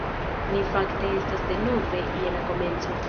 Ni fakte estas denove je la komenco